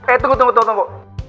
eh tunggu tunggu tunggu